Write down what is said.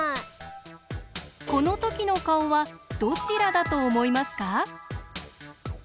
このときのかおはどちらだとおもいますか？